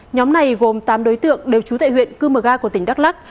nhóm này gồm tám đối tượng đều trú tại huyện cư mờ ga của tỉnh đắk lắc